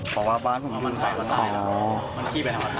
เพราะว่าบ้านผมมันตายแล้ว